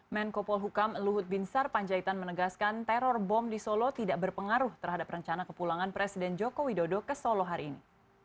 menkopol hukam luhut bin sar panjaitan menegaskan teror bom di solo tidak berpengaruh terhadap rencana kepulangan presiden jokowi dodo ke solo hari ini